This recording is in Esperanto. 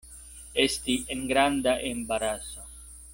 Esti en granda embaraso.